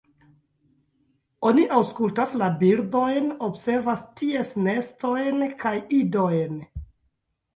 Oni aŭskultas la birdojn, observas ties nestojn kaj idojn.